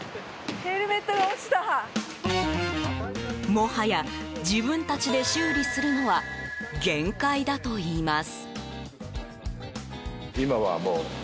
もはや自分たちで修理するのは限界だといいます。